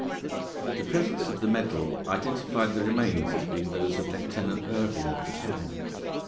The presence of the medal identified the remains as being those of Lieutenant Irving of the Terror.